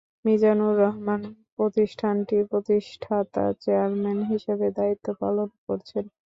মিজানুর রহমান প্রতিষ্ঠানটির প্রতিষ্ঠাতা চেয়ারম্যান হিসেবে দায়িত্ব পালন করছেন।